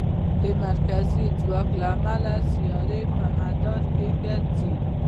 د مرکزي ځواک له امله سیارې په مدار کې ګرځي.